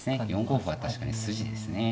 ４五歩は確かに筋ですね。